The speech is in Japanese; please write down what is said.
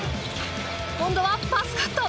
今度はパスカット。